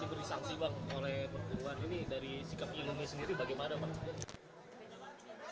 bisa disaksi bang oleh perpuluhan ini dari sikap iluni sendiri bagaimana pak